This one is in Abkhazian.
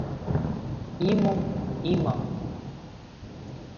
Имоу, имам.